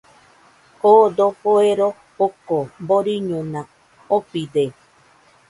Oo dofo ero joko boriñona ofide.